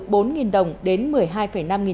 hùng đã cho nhiều người vay lãi cao với lãi suất từ